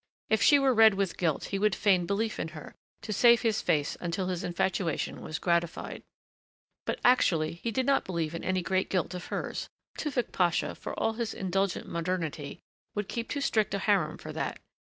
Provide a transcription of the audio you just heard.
If she were red with guilt he would feign belief in her, to save his face until his infatuation was gratified. But actually he did not believe in any great guilt of hers. Tewfick Pasha, for all his indulgent modernity, would keep too strict a harem for that.